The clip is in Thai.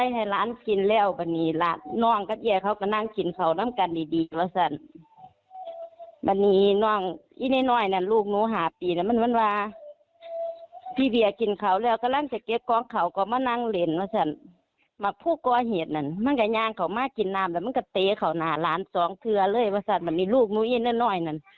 หรือจะเห็นแม่แม่ท้องสองคือเลยว่าสันมันมีลูกฮุ้ยนั่นนั่น